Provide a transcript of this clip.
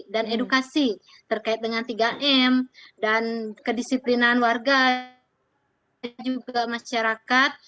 dan edukasi terkait dengan tiga m dan kedisiplinan warga dan juga masyarakat